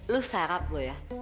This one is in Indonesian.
lo serap lo ya